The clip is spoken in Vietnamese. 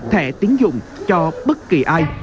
thẻ tín dụng cho bất kỳ ai